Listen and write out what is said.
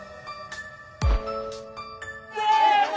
せの！